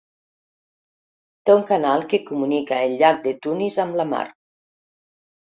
Té un canal que comunica el llac de Tunis amb la mar.